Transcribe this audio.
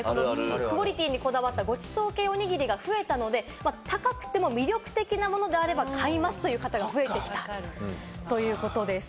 クオリティーにこだわったごちそう系おにぎりが増えたので、高くても魅力的なものであれば買いますという方が増えてきたということです。